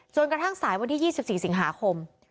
กระทั่งสายวันที่๒๔สิงหาคม